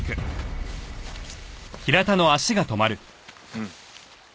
うん？